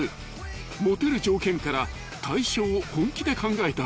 ［モテる条件から退所を本気で考えた？